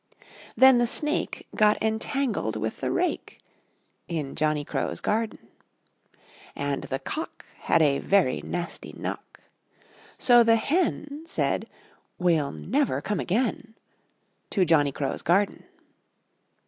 Then the Snake Got entangled with the rake In Johnny Crow's Garden. And the Cock Had a very nasty knock; So the Hen Said: "We'll never come again To Johnny Crow's Garden!"